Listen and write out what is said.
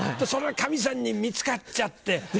それをかみさんに見つかっちゃって。